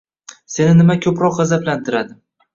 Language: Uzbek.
Seni nima ko‘proq g‘azablantiradi?